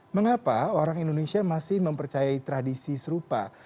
mengapa orang indonesia masih mempercayai tradisi serupa